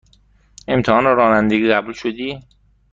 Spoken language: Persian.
امتحان رانندگی قبول شدی؟